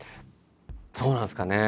そうなんですかね。